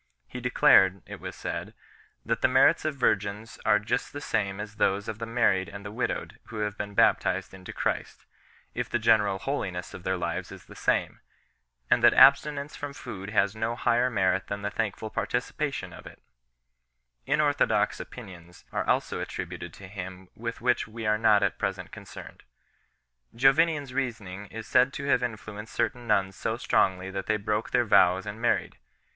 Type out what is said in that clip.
He declared (it was said) that the merits of virgins are just the same as those of the married and the widowed who have been baptized into Christ, if the general holiness of their lives is the same; and that abstinence from food has no higher merit than the thankful participation of it 6 . Inorthodox opinions are also attributed to him with which we are not at present concerned. Jovinian s reasoning is riaid to have influenced certain nuns so strongly that they broke their vows and married.